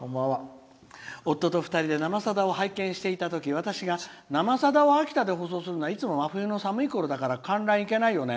夫と２人で「生さだ」を拝見したとき私が「生さだ」を秋田で放送するときはいつも真冬の寒いころだから観覧いけないよね。